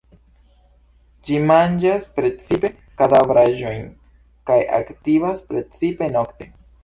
Ĝi manĝas precipe kadavraĵojn kaj aktivas precipe nokte.